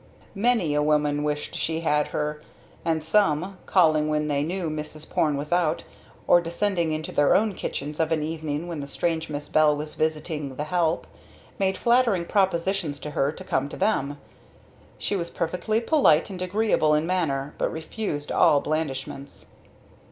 Many a woman wished she had her, and some, calling when they knew Mrs. Porne was out, or descending into their own kitchens of an evening when the strange Miss Bell was visiting "the help," made flattering propositions to her to come to them. She was perfectly polite and agreeable in manner, but refused all blandishments.